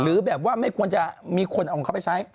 หรือแบบว่าไม่ควรจะมีคนเอาไปใช้